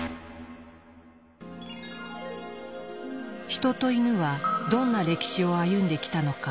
ヒトとイヌはどんな歴史を歩んできたのか。